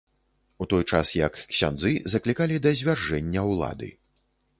У той час як ксяндзы заклікалі да звяржэння ўлады.